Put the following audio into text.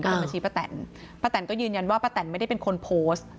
เป็นบัญชีป้าแตนป้าแตนก็ยืนยันว่าป้าแตนไม่ได้เป็นคนโพสต์